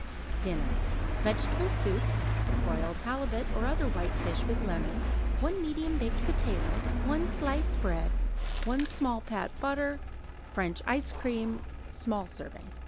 DINNER Vegetable soup; broiled halibut or other white fish with lemon; 1 medium baked potato; 1 slice bread; 1 small pat butter; French ice cream (small serving).